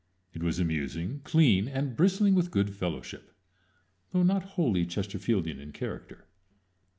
It was amusing, clean, and bristling with good fellowship, though not wholly Chesterfieldian in character.